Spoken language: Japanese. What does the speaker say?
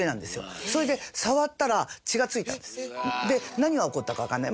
何が起こったかわかんない。